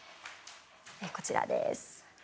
こちらです。